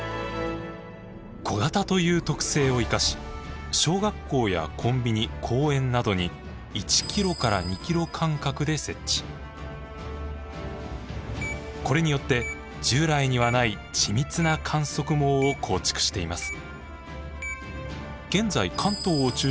小型という特性を生かし小学校やコンビニ公園などにこれによって従来にはない緻密な観測網を構築しています。